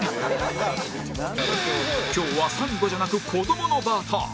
今日はサンドじゃなく子供のバーター